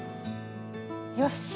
よし。